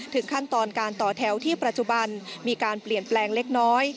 ขั้นตอนการต่อแถวที่ปัจจุบันมีการเปลี่ยนแปลงเล็กน้อย